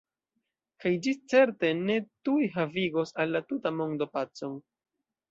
Kaj ĝi certe ne tuj havigos al la tuta mondo pacon.